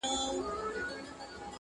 چي ودڅنګ تې مقبره جوړه د سپي ده.